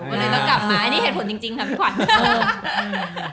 ูอย่าต้องกลับมาตอนนี้เห็นผลจริงพี่ขวัญ